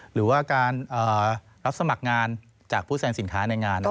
หรือว่าการรับสมัครงานจากผู้แซงสินค้าในงาน